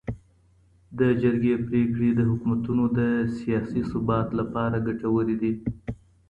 د جرګې پریکړې د حکومتونو د سیاسي ثبات لپاره ګټورې دي.